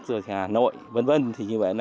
rồi hà nội v v thì như vậy là